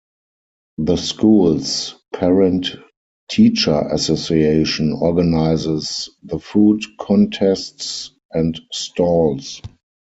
The school's Parent Teacher Association organises the food, contests and stalls.